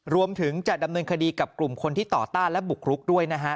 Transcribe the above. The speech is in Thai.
รวมถึงจะดำเนินคดีกับกลุ่มคนที่ต่อต้านและบุกรุกด้วยนะฮะ